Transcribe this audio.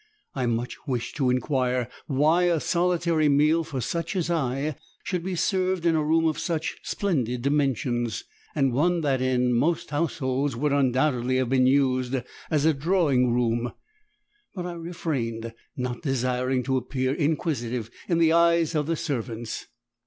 I much wished to inquire why a solitary meal for such as I should be served in a room of such splendid dimensions, and one that in most households would undoubtedly have been used as a drawing room, but I refrained, not desiring to appear inquisitive in the eyes of the servants.